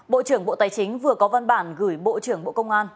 bộ trưởng bộ tài chính vừa có văn bản gửi bộ trưởng bộ công an